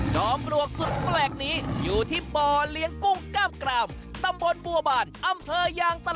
อมปลวกสุดแปลกนี้อยู่ที่บ่อเลี้ยงกุ้งกล้ามกรามตำบลบัวบานอำเภอยางตะ